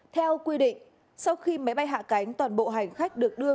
theo quy định sau khi máy bay hạ cánh toàn bộ hành khách được đưa